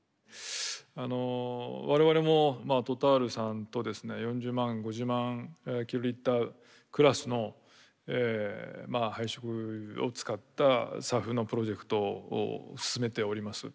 あの我々もＴｏｔａｌさんとですね４０万５０万キロリッタークラスの廃食油を使ったＳＡＦのプロジェクトを進めております。